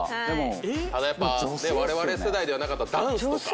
ただ我々世代ではなかったダンスとか。